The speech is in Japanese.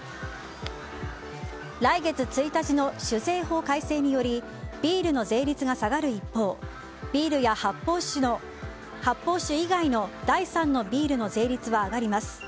来月１日の酒税法改正によりビールの税率が下がる一方発泡酒以外の第３のビールの税率は上がります。